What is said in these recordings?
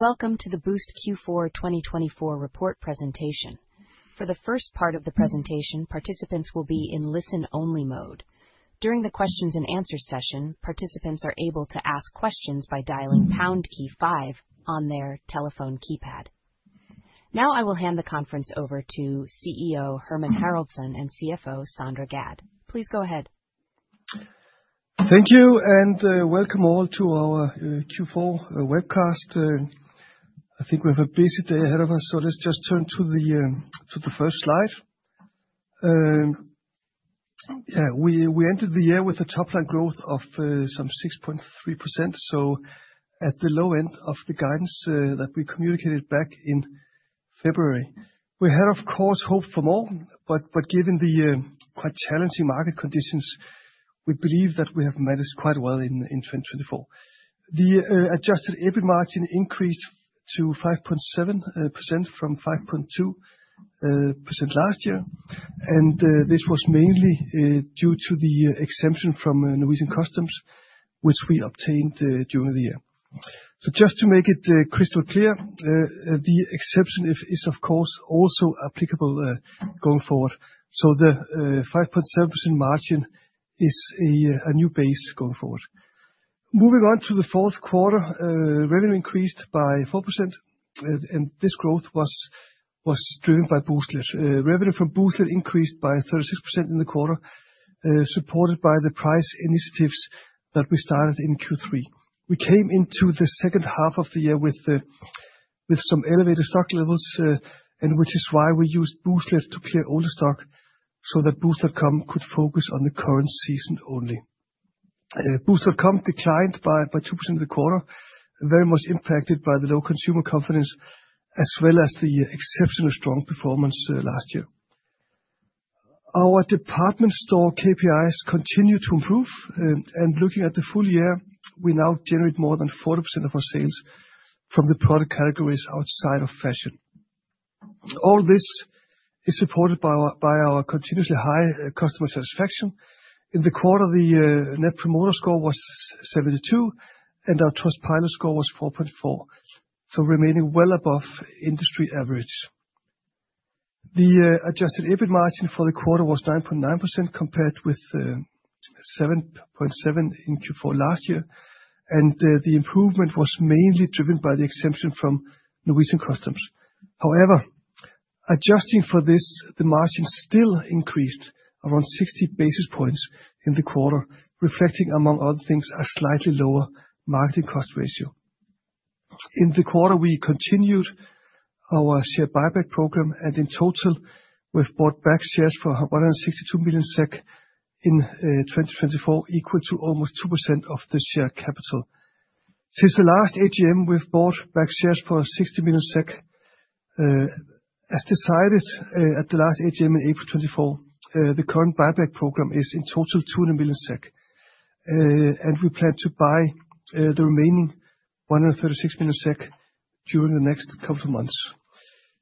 Welcome to the Boozt Q4 2024 report presentation. For the first part of the presentation, participants will be in listen-only mode. During the Q&A session, participants are able to ask questions by dialing # 5 on their telephone keypad. Now I will hand the conference over to CEO Hermann Haraldsson and CFO Sandra Gadd. Please go ahead. Thank you, and welcome all to our Q4 webcast. I think we have a busy day ahead of us, so let's just turn to the first slide. Yeah, we entered the year with a top-line growth of some 6.3%, so at the low end of the guidance that we communicated back in February. We had, of course, hope for more, but given the quite challenging market conditions, we believe that we have managed quite well in 2024. The Adjusted EBIT margin increased to 5.7% from 5.2% last year, and this was mainly due to the exemption from Norwegian Customs, which we obtained during the year. So just to make it crystal clear, the exemption is, of course, also applicable going forward. So the 5.7% margin is a new base going forward. Moving on to the fourth quarter, revenue increased by 4%, and this growth was driven by Booztlet. Revenue from Booztlet increased by 36% in the quarter, supported by the price initiatives that we started in Q3. We came into the second half of the year with some elevated stock levels, which is why we used Booztlet to clear older stock so that Boozt.com could focus on the current season only. Boozt.com declined by 2% in the quarter, very much impacted by the low consumer confidence as well as the exceptionally strong performance last year. Our department store KPIs continue to improve, and looking at the full year, we now generate more than 40% of our sales from the product categories outside of fashion. All this is supported by our continuously high customer satisfaction. In the quarter, the Net Promoter Score was 72, and our Trustpilot score was 4.4, so remaining well above industry average. The Adjusted EBIT margin for the quarter was 9.9% compared with 7.7% in Q4 last year, and the improvement was mainly driven by the exemption from Norwegian Customs. However, adjusting for this, the margin still increased around 60 basis points in the quarter, reflecting, among other things, a slightly lower marketing cost ratio. In the quarter, we continued our share buyback program, and in total, we've bought back shares for 162 million SEK in 2024, equal to almost 2% of the share capital. Since the last AGM, we've bought back shares for 60 million SEK. As decided at the last AGM in April 2024, the current buyback program is in total 200 million SEK, and we plan to buy the remaining 136 million SEK during the next couple of months.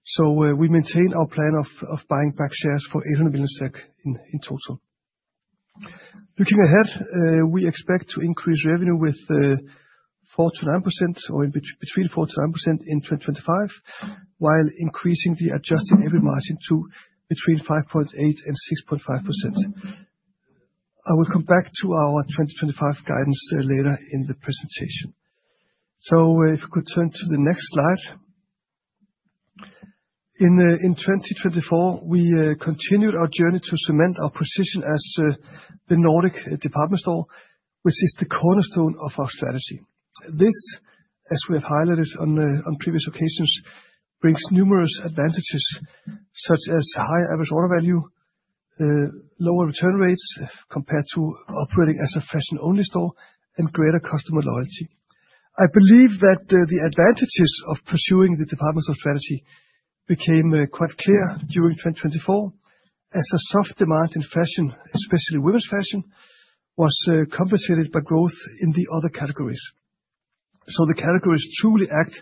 So we maintain our plan of buying back shares for 800 million SEK in total. Looking ahead, we expect to increase revenue with 4%-9% or between 4%-9% in 2025, while increasing the Adjusted EBIT margin to between 5.8% and 6.5%. I will come back to our 2025 guidance later in the presentation. So if we could turn to the next slide. In 2024, we continued our journey to cement our position as the Nordic department store, which is the cornerstone of our strategy. This, as we have highlighted on previous occasions, brings numerous advantages such as higher average order value, lower return rates compared to operating as a fashion-only store, and greater customer loyalty. I believe that the advantages of pursuing the department store strategy became quite clear during 2024, as a soft demand in fashion, especially women's fashion, was compensated by growth in the other categories. So the categories truly act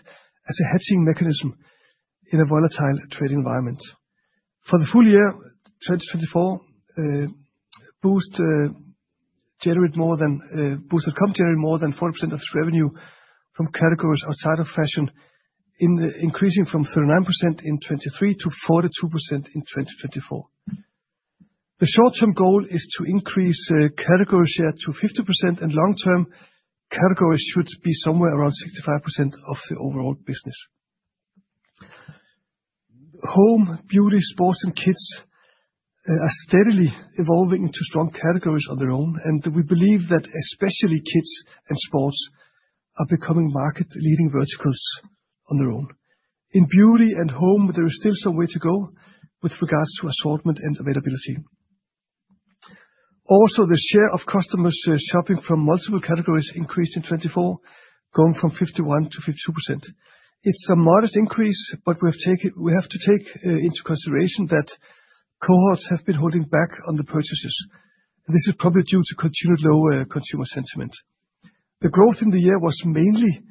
as a hedging mechanism in a volatile trading environment. For the full year 2024, Boozt.com generated more than 40% of its revenue from categories outside of fashion, increasing from 39% in 2023 to 42% in 2024. The short-term goal is to increase category share to 50%, and long-term categories should be somewhere around 65% of the overall business. Home, beauty, sports, and kids are steadily evolving into strong categories on their own, and we believe that especially kids and sports are becoming market-leading verticals on their own. In beauty and home, there is still some way to go with regards to assortment and availability. Also, the share of customers shopping from multiple categories increased in 2024, going from 51% to 52%. It's a modest increase, but we have to take into consideration that cohorts have been holding back on the purchases, and this is probably due to continued low consumer sentiment. The growth in the year was mainly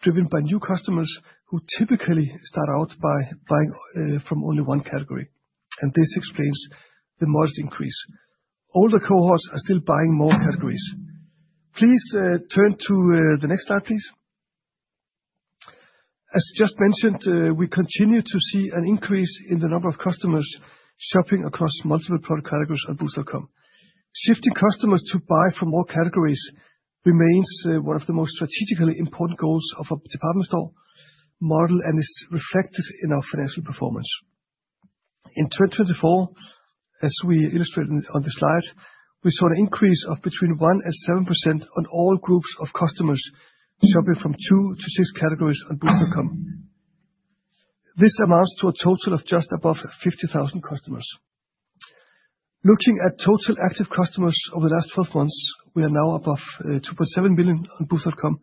driven by new customers who typically start out by buying from only one category, and this explains the modest increase. Older cohorts are still buying more categories. Please turn to the next slide, please. As just mentioned, we continue to see an increase in the number of customers shopping across multiple product categories on Boozt.com. Shifting customers to buy from all categories remains one of the most strategically important goals of our department store model, and it's reflected in our financial performance. In 2024, as we illustrate on the slide, we saw an increase of between 1% and 7% on all groups of customers shopping from two to six categories on Boozt.com. This amounts to a total of just above 50,000 customers. Looking at total active customers over the last 12 months, we are now above 2.7 million on Boozt.com,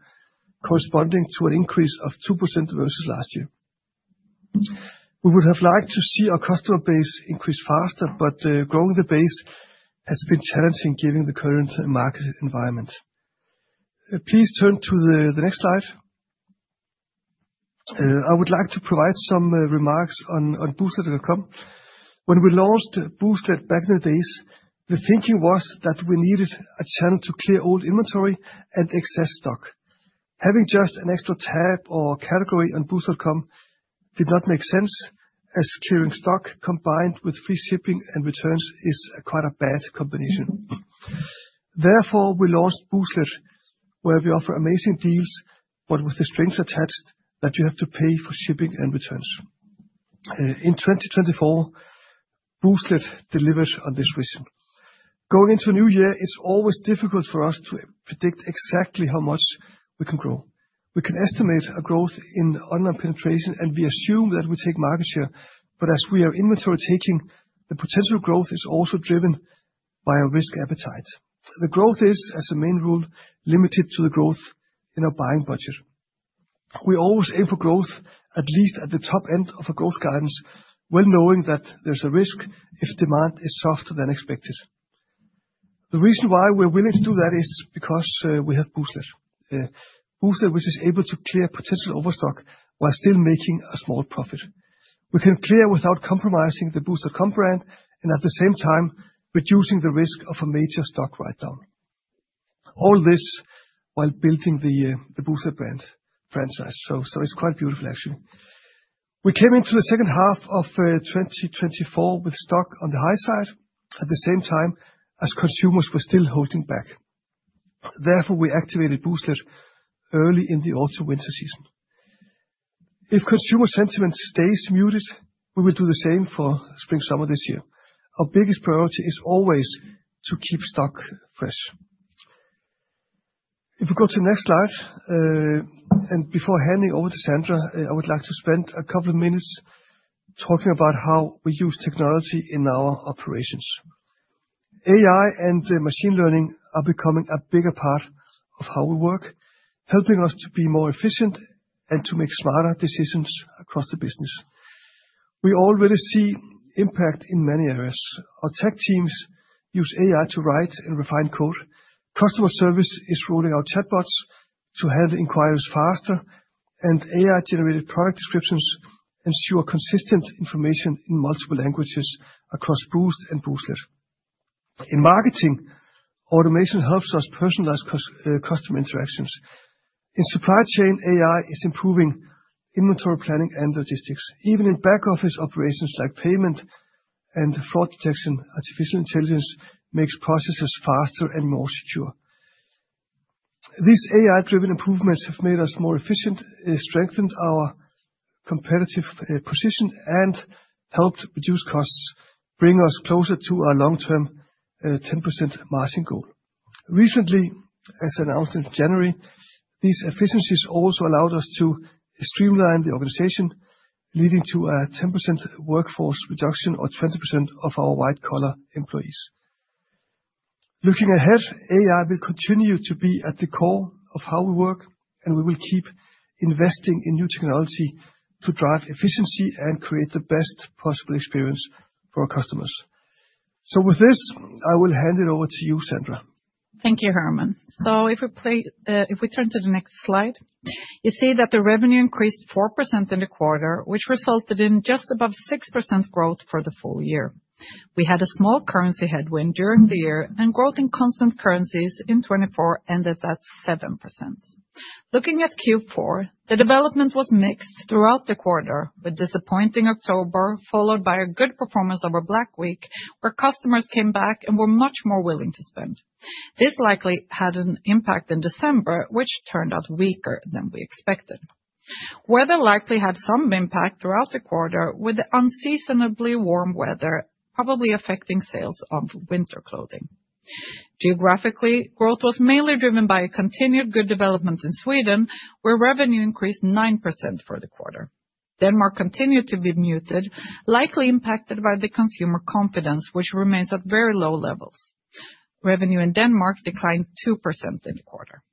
corresponding to an increase of 2% versus last year. We would have liked to see our customer base increase faster, but growing the base has been challenging given the current market environment. Please turn to the next slide. I would like to provide some remarks on Boozt.com. When we launched Booztlet back in the days, the thinking was that we needed a channel to clear old inventory and excess stock. Having just an extra tab or category on Boozt.com did not make sense, as clearing stock combined with free shipping and returns is quite a bad combination. Therefore, we launched Booztlet, where we offer amazing deals, but with the strings attached that you have to pay for shipping and returns. In 2024, Booztlet delivered on this vision. Going into a new year, it's always difficult for us to predict exactly how much we can grow. We can estimate a growth in online penetration, and we assume that we take market share, but as we are inventory taking, the potential growth is also driven by our risk appetite. The growth is, as a main rule, limited to the growth in our buying budget. We always aim for growth, at least at the top end of a growth guidance, well knowing that there's a risk if demand is softer than expected. The reason why we're willing to do that is because we have Booztlet. Booztlet, which is able to clear potential overstock while still making a small profit. We can clear without compromising the Boozt.com brand and at the same time reducing the risk of a major stock write-down. All this while building the Booztlet brand franchise. So it's quite beautiful, actually. We came into the second half of 2024 with stock on the high side at the same time as consumers were still holding back. Therefore, we activated Booztlet early in the Autumn/Winter season. If consumer sentiment stays muted, we will do the same for Spring/Summer this year. Our biggest priority is always to keep stock fresh. If we go to the next slide, and before handing over to Sandra, I would like to spend a couple of minutes talking about how we use technology in our operations. AI and machine learning are becoming a bigger part of how we work, helping us to be more efficient and to make smarter decisions across the business. We already see impact in many areas. Our tech teams use AI to write and refine code. Customer service is rolling out chatbots to handle inquiries faster, and AI-generated product descriptions ensure consistent information in multiple languages across Boozt and Booztlet. In marketing, automation helps us personalize customer interactions. In supply chain, AI is improving inventory planning and logistics. Even in back-office operations like payment and fraud detection, artificial intelligence makes processes faster and more secure. These AI-driven improvements have made us more efficient, strengthened our competitive position, and helped reduce costs, bringing us closer to our long-term 10% margin goal. Recently, as announced in January, these efficiencies also allowed us to streamline the organization, leading to a 10% workforce reduction or 20% of our white-collar employees. Looking ahead, AI will continue to be at the core of how we work, and we will keep investing in new technology to drive efficiency and create the best possible experience for our customers. So with this, I will hand it over to you, Sandra. Thank you, Hermann. So if we turn to the next slide, you see that the revenue increased 4% in the quarter, which resulted in just above 6% growth for the full year. We had a small currency headwind during the year, and growth in constant currencies in 2024 ended at 7%. Looking at Q4, the development was mixed throughout the quarter, with disappointing October followed by a good performance over Black Week, where customers came back and were much more willing to spend. This likely had an impact in December, which turned out weaker than we expected. Weather likely had some impact throughout the quarter, with the unseasonably warm weather probably affecting sales of winter clothing. Geographically, growth was mainly driven by continued good developments in Sweden, where revenue increased 9% for the quarter. Denmark continued to be muted, likely impacted by the consumer confidence, which remains at very low levels. Revenue in Denmark declined 2% in the quarter,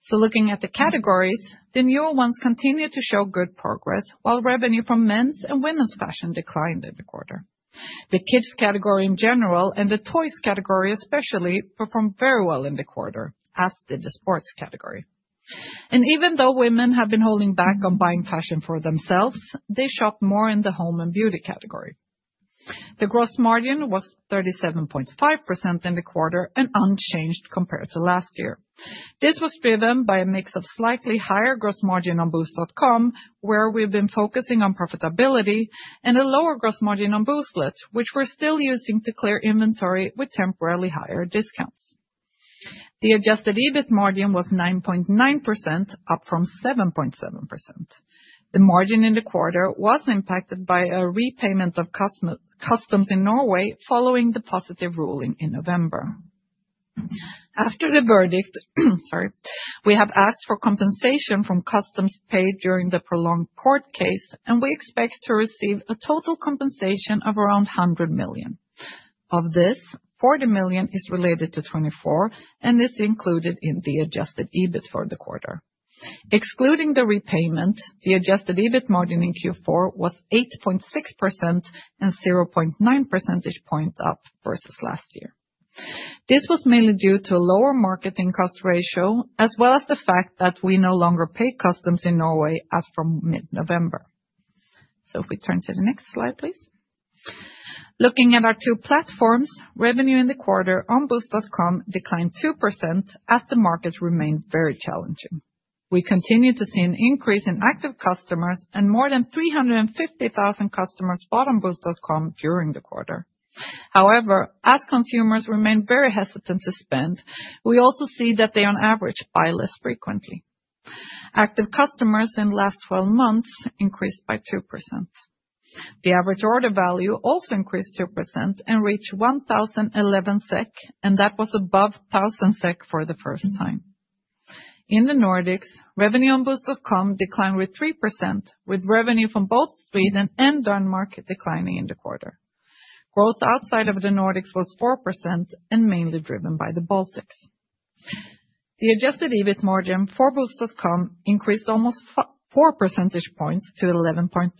so looking at the categories, the newer ones continued to show good progress, while revenue from men's and women's fashion declined in the quarter. The kids category in general and the toys category especially performed very well in the quarter, as did the sports category, and even though women have been holding back on buying fashion for themselves, they shopped more in the home and beauty category. The gross margin was 37.5% in the quarter, an unchanged compared to last year. This was driven by a mix of slightly higher gross margin on Boozt.com, where we've been focusing on profitability, and a lower gross margin on Booztlet, which we're still using to clear inventory with temporarily higher discounts. The adjusted EBIT margin was 9.9%, up from 7.7%. The margin in the quarter was impacted by a repayment of customs in Norway following the positive ruling in November. After the verdict, sorry, we have asked for compensation from customs paid during the prolonged court case, and we expect to receive a total compensation of around 100 million. Of this, 40 million SEK is related to 2024, and this is included in the adjusted EBIT for the quarter. Excluding the repayment, the adjusted EBIT margin in Q4 was 8.6% and 0.9 percentage points up versus last year. This was mainly due to a lower marketing cost ratio, as well as the fact that we no longer pay customs in Norway as from mid-November. So if we turn to the next slide, please. Looking at our two platforms, revenue in the quarter on Boozt.com declined 2% as the market remained very challenging. We continue to see an increase in active customers, and more than 350,000 customers bought on Boozt.com during the quarter. However, as consumers remain very hesitant to spend, we also see that they on average buy less frequently. Active customers in the last 12 months increased by 2%. The average order value also increased 2% and reached 1,011 SEK, and that was above 1,000 SEK for the first time. In the Nordics, revenue on Boozt.com declined with 3%, with revenue from both Sweden and Denmark declining in the quarter. Growth outside of the Nordics was 4% and mainly driven by the Baltics. The adjusted EBIT margin for Boozt.com increased almost 4 percentage points to 11.3%.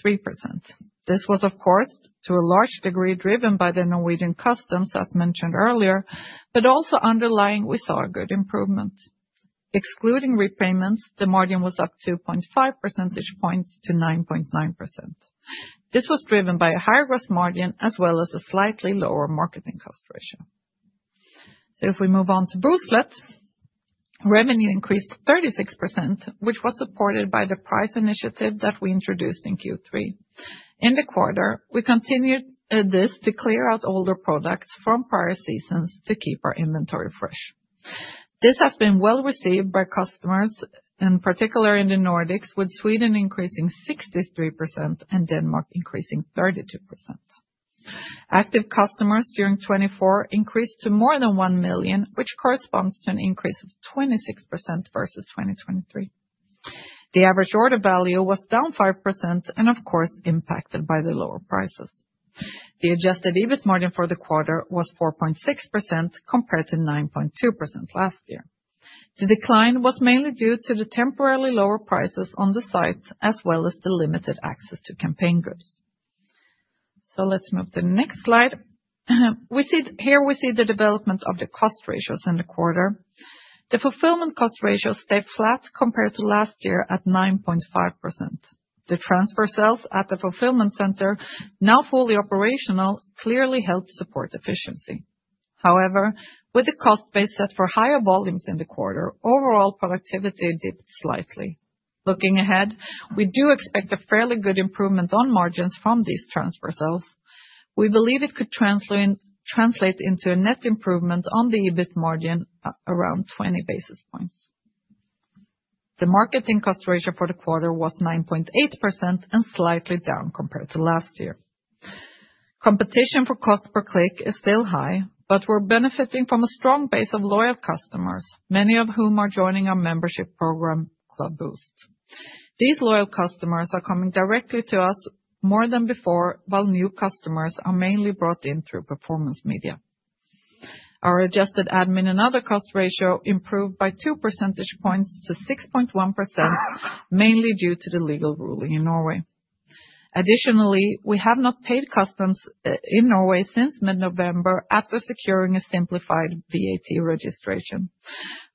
This was, of course, to a large degree driven by the Norwegian customs, as mentioned earlier, but also underlying we saw a good improvement. Excluding repayments, the margin was up 2.5 percentage points to 9.9%. This was driven by a higher gross margin as well as a slightly lower marketing cost ratio, so if we move on to Booztlet, revenue increased 36%, which was supported by the price initiative that we introduced in Q3. In the quarter, we continued this to clear out older products from prior seasons to keep our inventory fresh. This has been well received by customers, in particular in the Nordics, with Sweden increasing 63% and Denmark increasing 32%. Active customers during 2024 increased to more than 1 million, which corresponds to an increase of 26% versus 2023. The average order value was down 5% and, of course, impacted by the lower prices. The Adjusted EBIT margin for the quarter was 4.6% compared to 9.2% last year. The decline was mainly due to the temporarily lower prices on the site, as well as the limited access to campaign groups. So let's move to the next slide. Here we see the development of the cost ratios in the quarter. The fulfillment cost ratios stayed flat compared to last year at 9.5%. The transfer cells at the fulfillment center, now fully operational, clearly helped support efficiency. However, with the cost base set for higher volumes in the quarter, overall productivity dipped slightly. Looking ahead, we do expect a fairly good improvement on margins from these transfer cells. We believe it could translate into a net improvement on the EBIT margin around 20 basis points. The marketing cost ratio for the quarter was 9.8% and slightly down compared to last year. Competition for cost per click is still high, but we're benefiting from a strong base of loyal customers, many of whom are joining our membership program, Club Boozt. These loyal customers are coming directly to us more than before, while new customers are mainly brought in through performance media. Our adjusted admin and other cost ratio improved by 2 percentage points to 6.1%, mainly due to the legal ruling in Norway. Additionally, we have not paid customs in Norway since mid-November after securing a simplified VAT registration.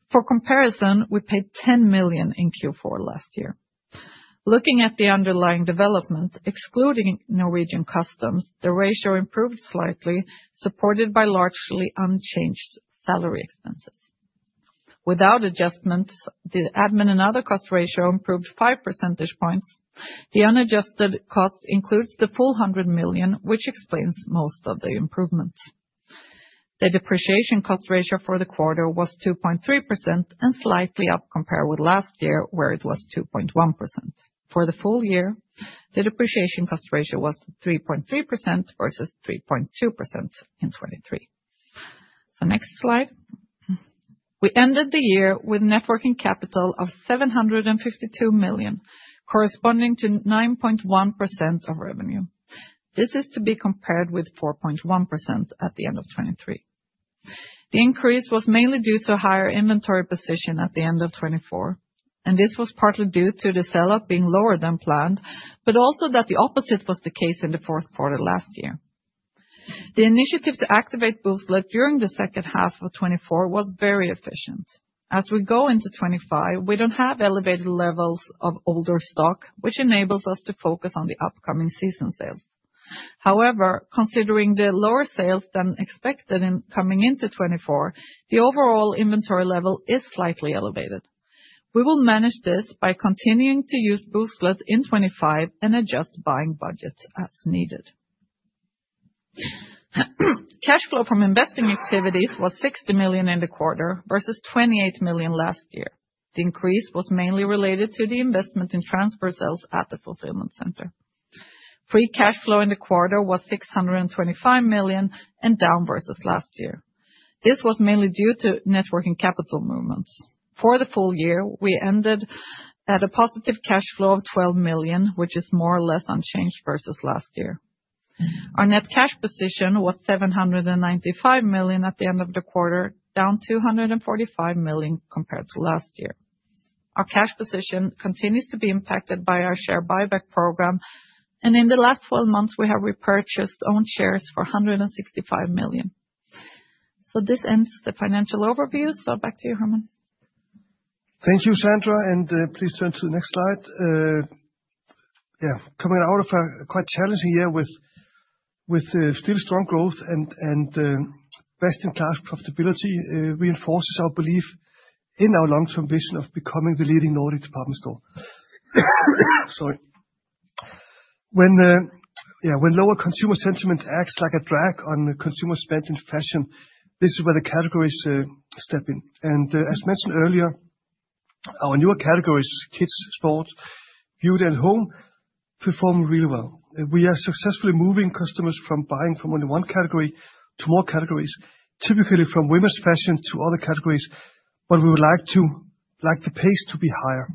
For comparison, we paid 10 million in Q4 last year. Looking at the underlying development, excluding Norwegian customs, the ratio improved slightly, supported by largely unchanged salary expenses. Without adjustments, the admin and other cost ratio improved 5 percentage points. The unadjusted cost includes the full 100 million, which explains most of the improvement. The depreciation cost ratio for the quarter was 2.3% and slightly up compared with last year, where it was 2.1%. For the full year, the depreciation cost ratio was 3.3% versus 3.2% in 2023. So next slide. We ended the year with net working capital of 752 million, corresponding to 9.1% of revenue. This is to be compared with 4.1% at the end of 2023. The increase was mainly due to a higher inventory position at the end of 2024, and this was partly due to the sell-out being lower than planned, but also that the opposite was the case in the fourth quarter last year. The initiative to activate Booztlet during the second half of 2024 was very efficient. As we go into 2025, we don't have elevated levels of older stock, which enables us to focus on the upcoming season sales. However, considering the lower sales than expected in coming into 2024, the overall inventory level is slightly elevated. We will manage this by continuing to use Booztlet in 2025 and adjust buying budgets as needed. Cash flow from investing activities was 60 million in the quarter versus 28 million last year. The increase was mainly related to the investment in transfer cells at the fulfillment center. Free cash flow in the quarter was 625 million and down versus last year. This was mainly due to net working capital movements. For the full year, we ended at a positive cash flow of 12 million, which is more or less unchanged versus last year. Our net cash position was 795 million at the end of the quarter, down 245 million compared to last year. Our cash position continues to be impacted by our share buyback program, and in the last 12 months, we have repurchased own shares for 165 million. So this ends the financial overview. So back to you, Hermann. Thank you, Sandra, and please turn to the next slide. Yeah, coming out of a quite challenging year with still strong growth and best-in-class profitability reinforces our belief in our long-term vision of becoming the leading Nordic department store. Sorry. When lower consumer sentiment acts like a drag on consumer spend in fashion, this is where the categories step in. And as mentioned earlier, our newer categories, kids, sports, beauty, and home, perform really well. We are successfully moving customers from buying from only one category to more categories, typically from women's fashion to other categories, but we would like the pace to be higher.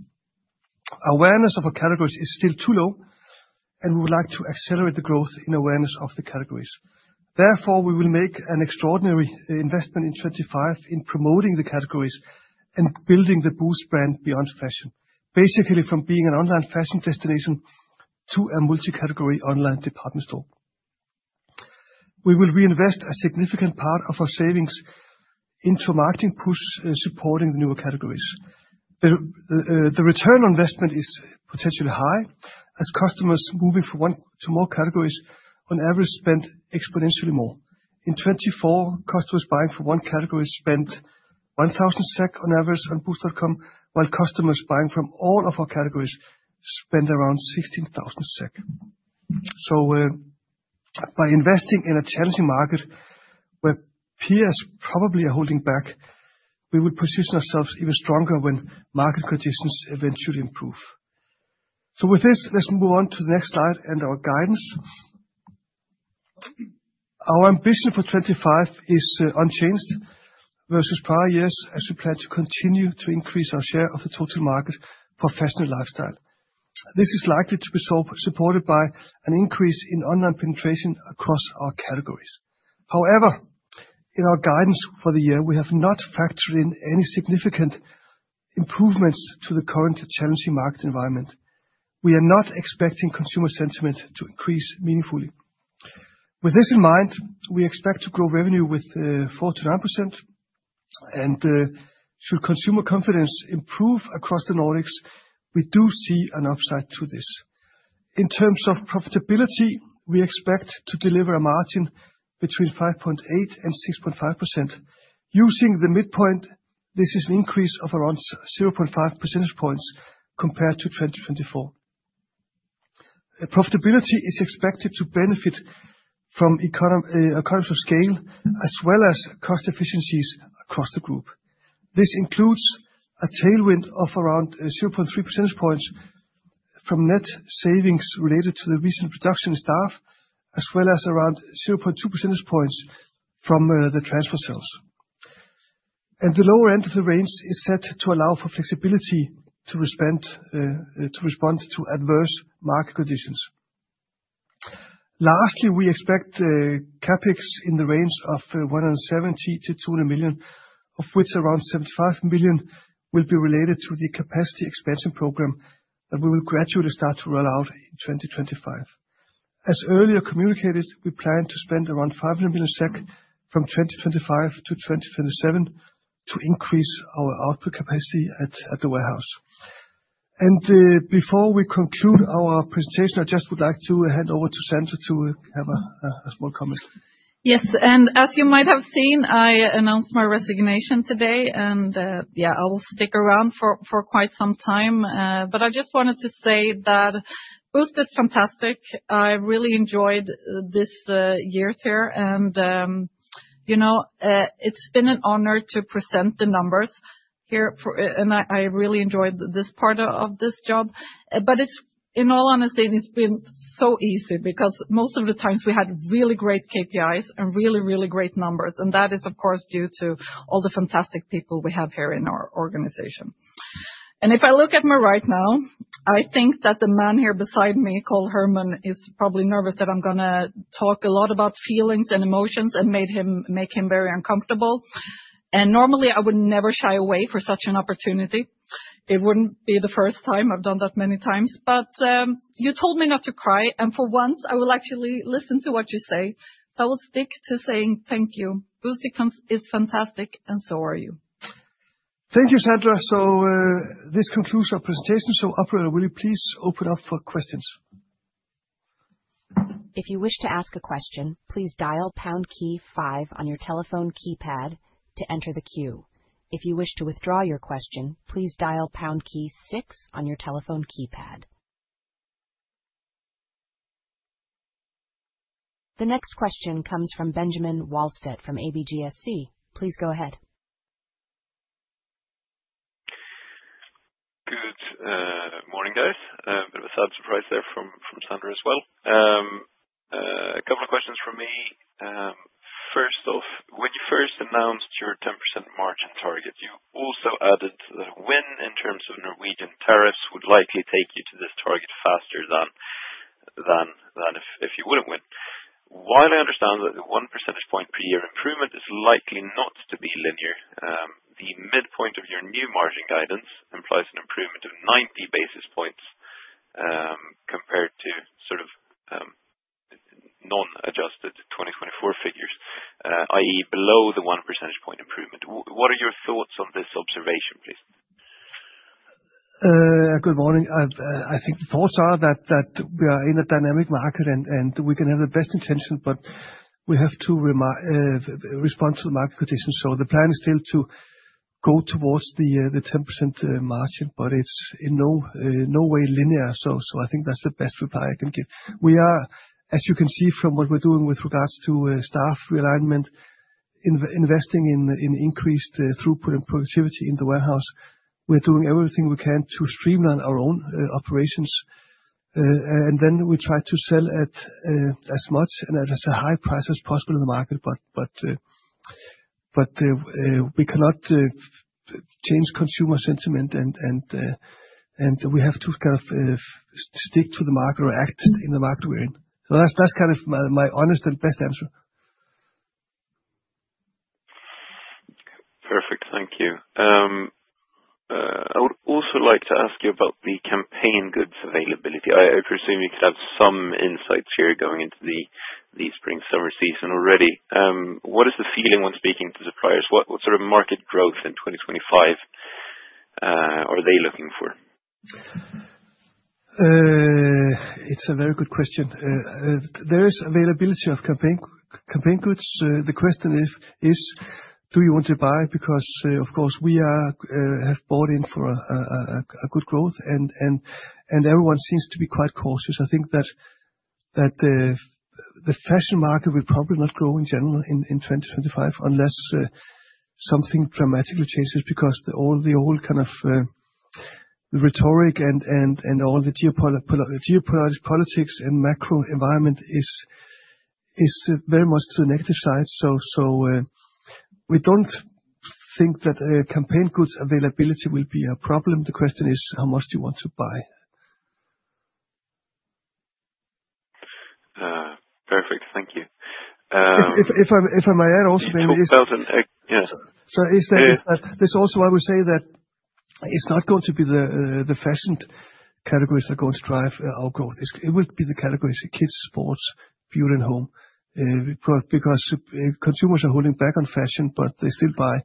Awareness of our categories is still too low, and we would like to accelerate the growth in awareness of the categories. Therefore, we will make an extraordinary investment in 2025 in promoting the categories and building the Boozt brand beyond fashion, basically from being an online fashion destination to a multi-category online department store. We will reinvest a significant part of our savings into marketing push supporting the newer categories. The return on investment is potentially high, as customers moving from one to more categories on average spend exponentially more. In 2024, customers buying from one category spent 1,000 SEK on average on Boozt.com, while customers buying from all of our categories spent around 16,000 SEK. So by investing in a challenging market where peers probably are holding back, we will position ourselves even stronger when market conditions eventually improve. So with this, let's move on to the next slide and our guidance. Our ambition for 2025 is unchanged versus prior years, as we plan to continue to increase our share of the total market for fashion and lifestyle. This is likely to be supported by an increase in online penetration across our categories. However, in our guidance for the year, we have not factored in any significant improvements to the current challenging market environment. We are not expecting consumer sentiment to increase meaningfully. With this in mind, we expect to grow revenue with 4%-9%, and should consumer confidence improve across the Nordics, we do see an upside to this. In terms of profitability, we expect to deliver a margin between 5.8% and 6.5%. Using the midpoint, this is an increase of around 0.5 percentage points compared to 2024. Profitability is expected to benefit from economies of scale as well as cost efficiencies across the group. This includes a tailwind of around 0.3 percentage points from net savings related to the recent reduction in staff, as well as around 0.2 percentage points from the transfer cells. The lower end of the range is set to allow for flexibility to respond to adverse market conditions. Lastly, we expect Capex in the range of 170 million-200 million, of which around 75 million will be related to the capacity expansion program that we will gradually start to roll out in 2025. As earlier communicated, we plan to spend around 500 million SEK from 2025 to 2027 to increase our output capacity at the warehouse. Before we conclude our presentation, I just would like to hand over to Sandra to have a small comment. Yes, and as you might have seen, I announced my resignation today, and yeah, I will stick around for quite some time. But I just wanted to say that Boozt is fantastic. I really enjoyed this year here, and you know it's been an honor to present the numbers here, and I really enjoyed this part of this job. But in all honesty, it's been so easy because most of the times we had really great KPIs and really, really great numbers, and that is, of course, due to all the fantastic people we have here in our organization. And if I look at me right now, I think that the man here beside me, CEO Hermann, is probably nervous that I'm going to talk a lot about feelings and emotions and make him very uncomfortable. And normally, I would never shy away from such an opportunity. It wouldn't be the first time I've done that many times, but you told me not to cry, and for once, I will actually listen to what you say, so I will stick to saying thank you. Boozt is fantastic, and so are you. Thank you, Sandra. So this concludes our presentation. So operator, will you please open up for questions? If you wish to ask a question, please dial # key five on your telephone keypad to enter the queue. If you wish to withdraw your question, please dial # key six on your telephone keypad. The next question comes from Benjamin Wahlstedt from ABGSC. Please go ahead. Good morning, guys. A bit of a sad surprise there from Sandra as well. A couple of questions from me. First off, when you first announced your 10% margin target, you also added that win in terms of Norwegian tariffs would likely take you to this target faster than if you wouldn't win. While I understand that the one percentage point per year improvement is likely not to be linear, the midpoint of your new margin guidance implies an improvement of 90 basis points compared to sort of non-adjusted 2024 figures, i.e., below the one percentage point improvement. What are your thoughts on this observation, please? Good morning. I think the thoughts are that we are in a dynamic market, and we can have the best intentions, but we have to respond to the market conditions. So the plan is still to go towards the 10% margin, but it's in no way linear. So I think that's the best reply I can give. We are, as you can see from what we're doing with regards to staff realignment, investing in increased throughput and productivity in the warehouse. We're doing everything we can to streamline our own operations. And then we try to sell at as much and at as high price as possible in the market, but we cannot change consumer sentiment, and we have to kind of stick to the market or act in the market we're in. So that's kind of my honest and best answer. Perfect. Thank you. I would also like to ask you about the campaign goods availability. I presume you could have some insights here going into the Spring/Summer season already. What is the feeling when speaking to suppliers? What sort of market growth in 2025 are they looking for? It's a very good question. There is availability of campaign goods. The question is, do you want to buy? Because, of course, we have bought in for a good growth, and everyone seems to be quite cautious. I think that the fashion market will probably not grow in general in 2025 unless something dramatically changes because the old kind of rhetoric and all the geopolitics and macro environment is very much to the negative side. So we don't think that campaign goods availability will be a problem. The question is, how much do you want to buy? Perfect. Thank you. If I may add also. So is that. So, is that this also? I would say that it's not going to be the fashion categories that are going to drive our growth. It will be the categories: kids, sports, beauty, and home, because consumers are holding back on fashion, but they still buy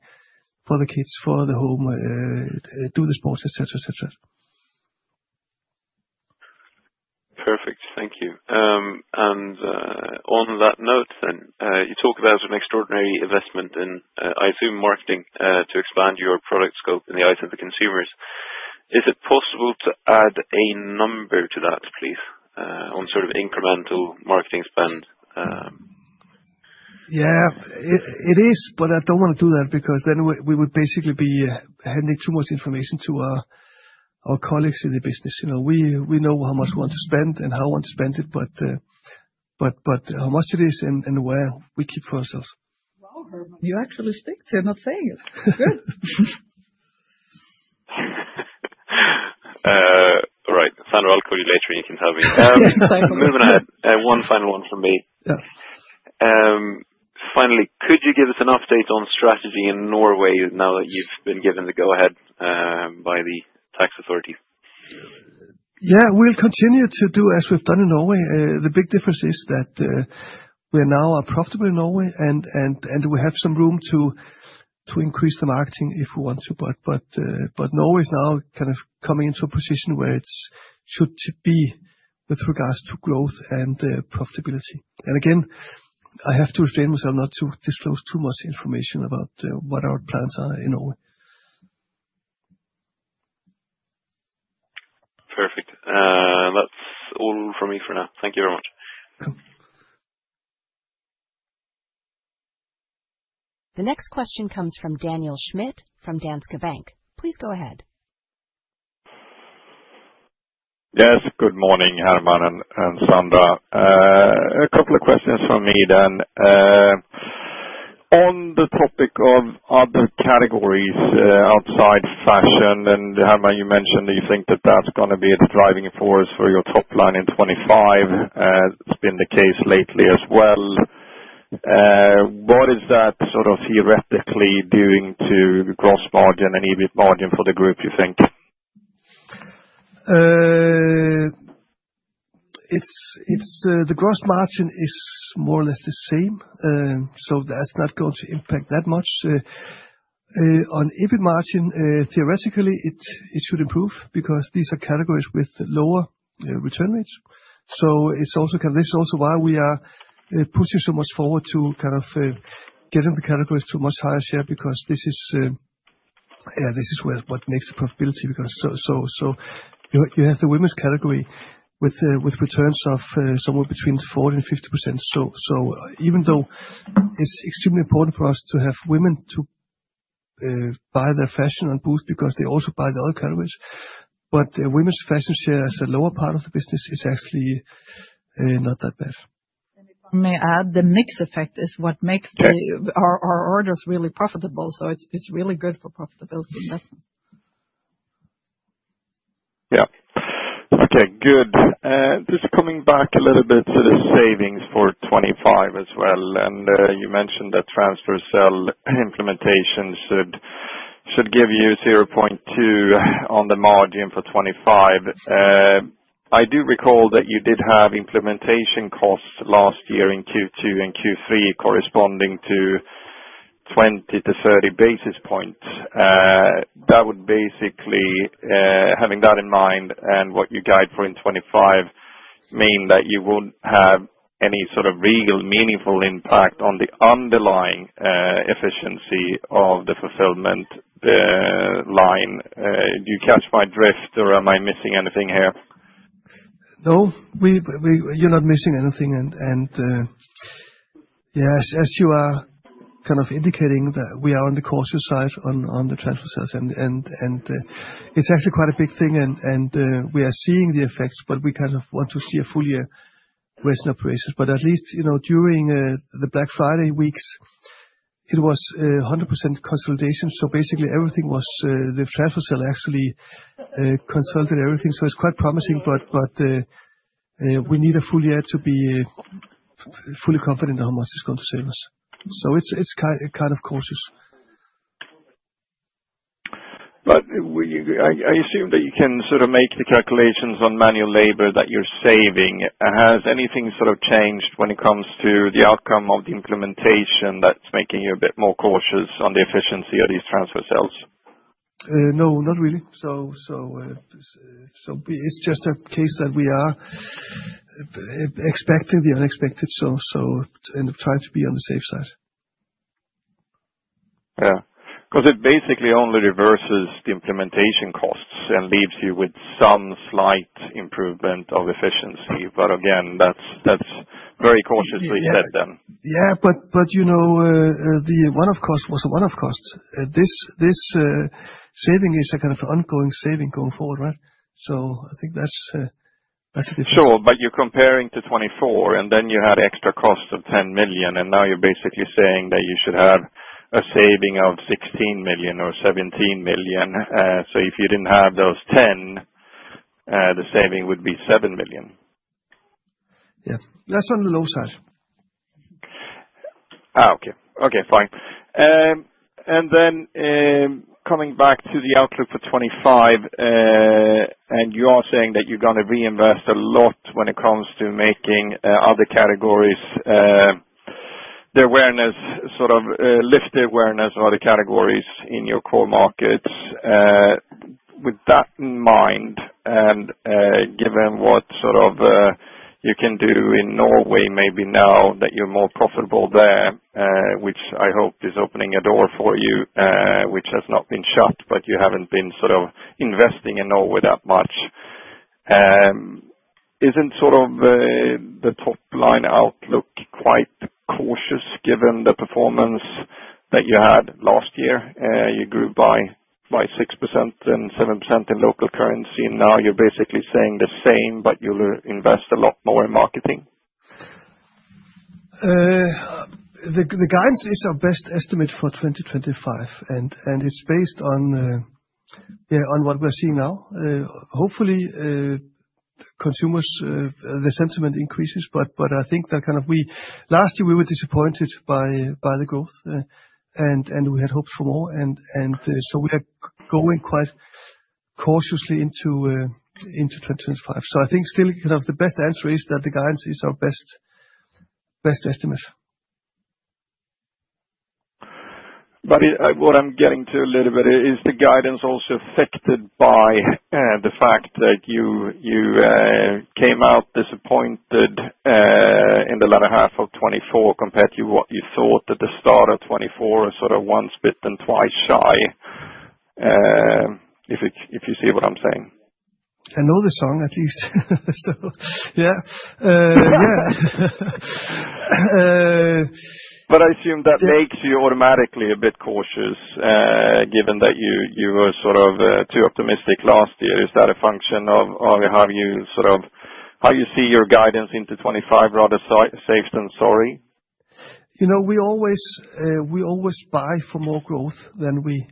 for the kids, for the home, do the sports, etc., etc. Perfect. Thank you. And on that note, you talk about an extraordinary investment in, I assume, marketing to expand your product scope in the eyes of the consumers. Is it possible to add a number to that, please, on sort of incremental marketing spend? Yeah, it is, but I don't want to do that because then we would basically be handing too much information to our colleagues in the business. We know how much we want to spend and how we want to spend it, but how much it is and where we keep for ourselves. You actually stick to not saying it. Good. Right. Sandra, I'll call you later when you can tell me. Thank you. I have one final one from me. Finally, could you give us an update on strategy in Norway now that you've been given the go-ahead by the tax authorities? Yeah, we'll continue to do as we've done in Norway. The big difference is that we now are profitable in Norway, and we have some room to increase the marketing if we want to. But Norway is now kind of coming into a position where it should be with regards to growth and profitability. And again, I have to restrain myself not to disclose too much information about what our plans are in Norway. Perfect. That's all from me for now. Thank you very much. You're welcome. The next question comes from Daniel Schmidt from Danske Bank. Please go ahead. Yes, good morning, Hermann and Sandra. A couple of questions from me then. On the topic of other categories outside fashion, and Hermann, you mentioned that you think that that's going to be the driving force for your top line in 2025. It's been the case lately as well. What is that sort of theoretically doing to the gross margin and EBIT margin for the group, you think? The gross margin is more or less the same, so that's not going to impact that much. On EBIT margin, theoretically, it should improve because these are categories with lower return rates. So this is also why we are pushing so much forward to kind of getting the categories to a much higher share because this is what makes the profitability. So you have the women's category with returns of somewhere between 40% and 50%. So even though it's extremely important for us to have women to buy their fashion on Boozt because they also buy the other categories, but women's fashion share as a lower part of the business is actually not that bad. And if I may add, the mix effect is what makes our orders really profitable. So it's really good for profitability. Yeah. Okay. Good. Just coming back a little bit to the savings for 2025 as well. And you mentioned that transfer cell implementation should give you 0.2 on the margin for 2025. I do recall that you did have implementation costs last year in Q2 and Q3 corresponding to 20-30 basis points. That would basically, having that in mind and what you guide for in 2025, mean that you won't have any sort of real meaningful impact on the underlying efficiency of the fulfillment line. Do you catch my drift or am I missing anything here? No, you're not missing anything. Yes, as you are kind of indicating, we are on the cautious side on the transfer cells. It's actually quite a big thing, and we are seeing the effects, but we kind of want to see a full, reasonable basis. At least during the Black Friday weeks, it was 100% consolidation. Basically, the Transfer Cell actually consolidated everything. It's quite promising, but we need full data to be fully confident in how much it's going to save us. It's kind of cautious. But I assume that you can sort of make the calculations on manual labor that you're saving. Has anything sort of changed when it comes to the outcome of the implementation that's making you a bit more cautious on the efficiency of these transfer Cells? No, not really. So it's just a case that we are expecting the unexpected, so try to be on the safe side. Yeah. Because it basically only reverses the implementation costs and leaves you with some slight improvement of efficiency. But again, that's very cautiously said then. Yeah, but the one-off cost was a one-off cost. This saving is a kind of ongoing saving going forward, right? So I think that's a difference. Sure, but you're comparing to 2024, and then you had extra costs of 10 million, and now you're basically saying that you should have a saving of 16 million or 17 million. So if you didn't have those 10, the saving would be seven million. Yeah. That's on the low side. Okay. Okay, fine. Then coming back to the outlook for 2025, and you are saying that you're going to reinvest a lot when it comes to making other categories sort of lift the awareness of other categories in your core markets. With that in mind, and given what sort of you can do in Norway maybe now that you're more profitable there, which I hope is opening a door for you, which has not been shut, but you haven't been sort of investing in Norway that much. Isn't sort of the top line outlook quite cautious given the performance that you had last year? You grew by 6% and 7% in local currency. Now you're basically saying the same, but you'll invest a lot more in marketing. The guidance is our best estimate for 2025, and it's based on what we're seeing now. Hopefully, consumer sentiment increases, but I think that kind of last year, we were disappointed by the growth, and we had hopes for more, and so we are going quite cautiously into 2025, so I think still kind of the best answer is that the guidance is our best estimate. But what I'm getting to a little bit is the guidance also affected by the fact that you came out disappointed in the latter half of 2024 compared to what you thought at the start of 2024, sort of once bitten and twice shy, if you see what I'm saying. Another song, at least. So yeah. Yeah. But I assume that makes you automatically a bit cautious given that you were sort of too optimistic last year. Is that a function of how you sort of see your guidance into 2025 rather safe than sorry? We always buy for more growth than we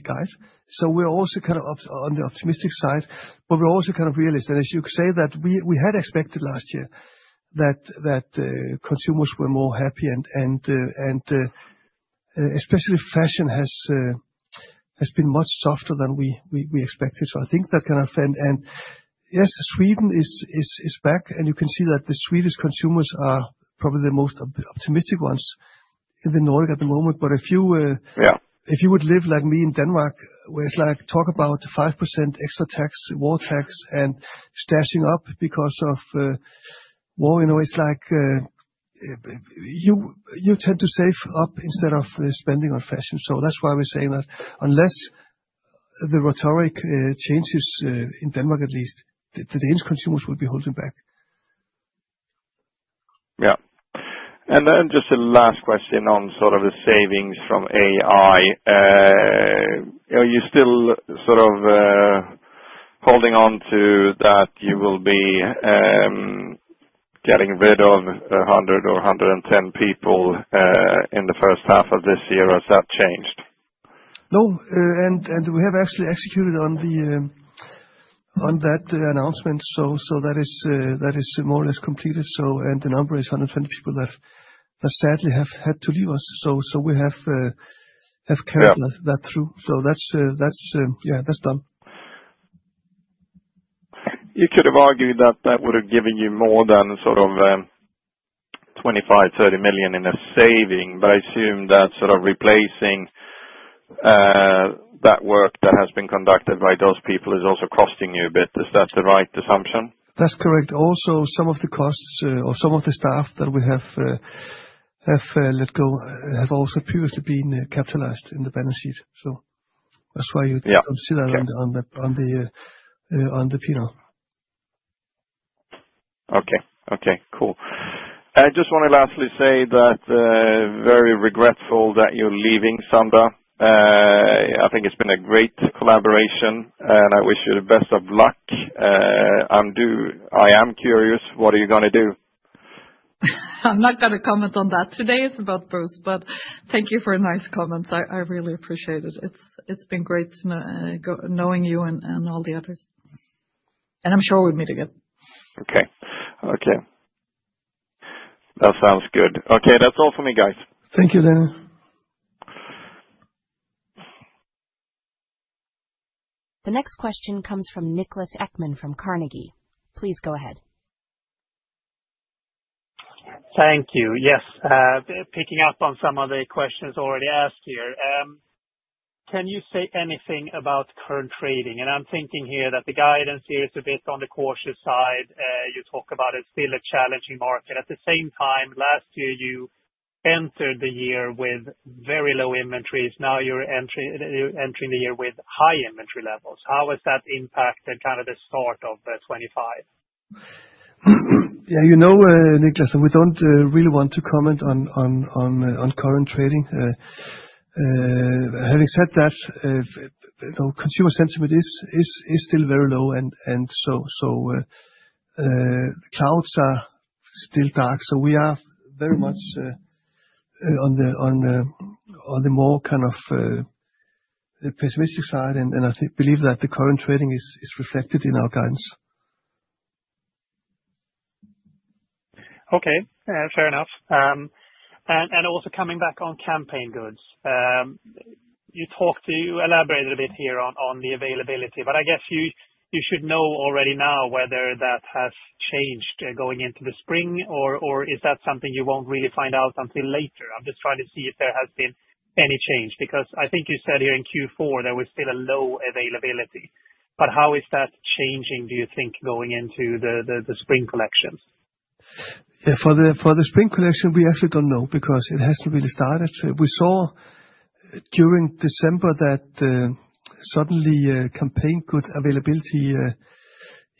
guide. So we're also kind of on the optimistic side, but we're also kind of realistic, and as you say that, we had expected last year that consumers were more happy, and especially fashion has been much softer than we expected, so I think that kind of and yes, Sweden is back, and you can see that the Swedish consumers are probably the most optimistic ones in the Nordic at the moment. But if you would live like me in Denmark, where it's like talk about 5% extra tax, war tax, and stashing up because of war, it's like you tend to save up instead of spending on fashion, so that's why we're saying that unless the rhetoric changes in Denmark, at least, the Danish consumers will be holding back. Yeah. And then just a last question on sort of the savings from AI. Are you still sort of holding on to that you will be getting rid of 100 or 110 people in the first half of this year? Has that changed? No. And we have actually executed on that announcement. So that is more or less completed. And the number is 120 people that sadly have had to leave us. So we have carried that through. So yeah, that's done. You could have argued that that would have given you more than sort of 25 million-30 million in a saving, but I assume that sort of replacing that work that has been conducted by those people is also costing you a bit. Is that the right assumption? That's correct. Also, some of the costs or some of the staff that we have let go have also previously been capitalized in the balance sheet. So that's why you see that on the P&L. Okay. Cool. I just want to lastly say that I'm very regretful that you're leaving, Sandra. I think it's been a great collaboration, and I wish you the best of luck, and I am curious, what are you going to do? I'm not going to comment on that today. It's about Boozt. But thank you for a nice comment. I really appreciate it. It's been great knowing you and all the others, and I'm sure we'll meet again. Okay. Okay. That sounds good. Okay. That's all for me, guys. Thank you, Daniel. The next question comes from Niklas Ekman from Carnegie. Please go ahead. Thank you. Yes. Picking up on some of the questions already asked here. Can you say anything about current trading? And I'm thinking here that the guidance here is a bit on the cautious side. You talk about it's still a challenging market. At the same time, last year, you entered the year with very low inventories. Now you're entering the year with high inventory levels. How has that impacted kind of the start of 2025? Yeah. You know, Niklas, we don't really want to comment on current trading. Having said that, consumer sentiment is still very low, and so clouds are still dark. So we are very much on the more kind of pessimistic side, and I believe that the current trading is reflected in our guidance. Okay. Fair enough. And also coming back on campaign goods, you elaborated a bit here on the availability, but I guess you should know already now whether that has changed going into the spring, or is that something you won't really find out until later? I'm just trying to see if there has been any change because I think you said here in Q4 there was still a low availability. But how is that changing, do you think, going into the spring collections? For the spring collection, we actually don't know because it hasn't really started. We saw during December that suddenly campaign goods availability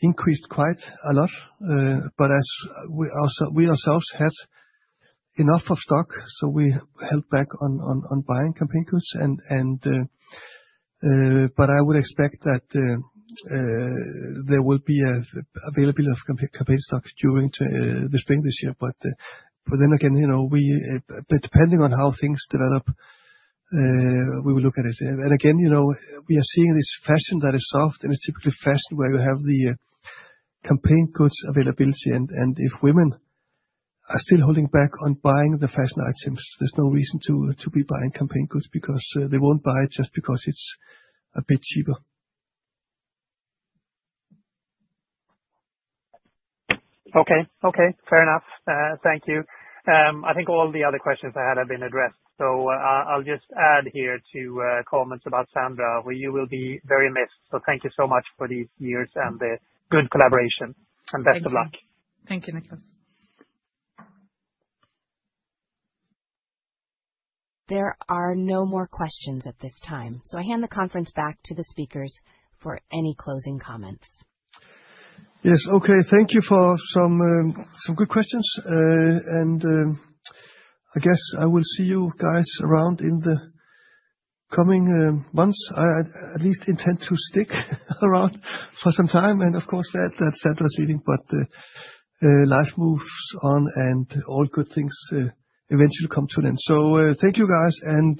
increased quite a lot. But we ourselves had enough stock, so we held back on buying campaign goods. But I would expect that there will be availability of campaign stock during the spring this year. But then again, depending on how things develop, we will look at it. And again, we are seeing this fashion that is soft, and it's typically fashion where you have the campaign goods availability. And if women are still holding back on buying the fashion items, there's no reason to be buying campaign goods because they won't buy it just because it's a bit cheaper. Okay. Fair enough. Thank you. I think all the other questions I had have been addressed. So I'll just add here to comments about Sandra, where you will be very missed. So thank you so much for these years and the good collaboration. And best of luck. Thank you. Thank you, Nicholas. There are no more questions at this time. So I hand the conference back to the speakers for any closing comments. Yes. Okay. Thank you for some good questions, and I guess I will see you guys around in the coming months. I at least intend to stick around for some time, and of course, that's Sandra's leaving, but life moves on, and all good things eventually come to an end, so thank you, guys, and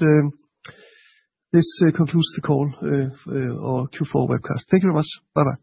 this concludes the call or Q4 webcast. Thank you very much. Bye-bye.